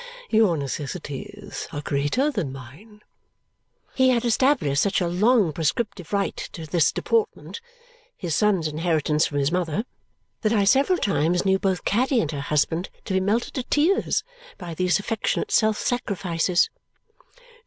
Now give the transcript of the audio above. Your necessities are greater than mine." He had established such a long prescriptive right to this deportment (his son's inheritance from his mother) that I several times knew both Caddy and her husband to be melted to tears by these affectionate self sacrifices.